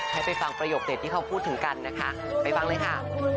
ให้ไปฟังประโยคเด็ดที่เขาพูดถึงกันนะคะไปฟังเลยค่ะ